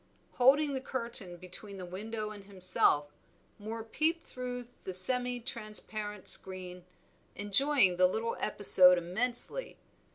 Holding the curtain between the window and himself, Moor peeped through the semi transparent screen, enjoying the little episode immensely.